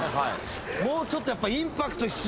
もうちょっとやっぱインパクト必要。